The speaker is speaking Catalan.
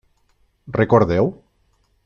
Recordeu?